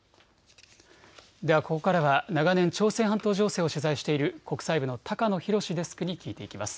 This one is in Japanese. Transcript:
では、ここからは長年、朝鮮半島情勢を取材している国際部の高野洋デスクに聞いていきます。